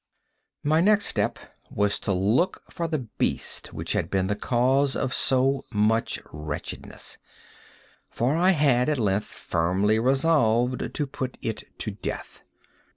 My next step was to look for the beast which had been the cause of so much wretchedness; for I had, at length, firmly resolved to put it to death.